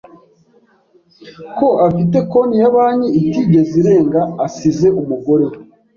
ko afite konti ya banki, itigeze irenga. Asize umugore we